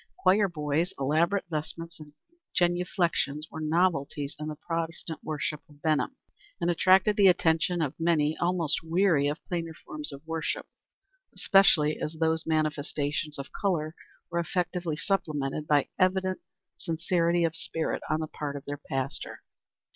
Choir boys, elaborate vestments, and genuflections, were novelties in the Protestant worship of Benham, and attracted the attention of many almost weary of plainer forms of worship, especially as these manifestations of color were effectively supplemented by evident sincerity of spirit on the part of their pastor.